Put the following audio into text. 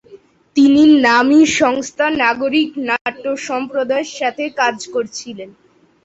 তিনি নামী সংস্থা নাগরিক নাট্য সম্প্রদায়ের সাথে কাজ করেছিলেন।